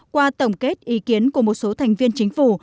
qua tổng kết ý kiến của một số thành viên chính phủ